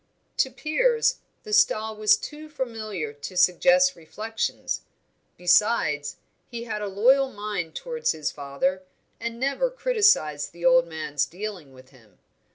To Piers, the style was too familiar to suggest reflections: besides, he had a loyal mind towards his father, and never criticised the old man's dealing with him.